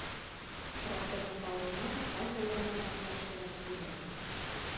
Тракторҙың тауышынан ҡайһы урыны насар эшләгәнен белә ине.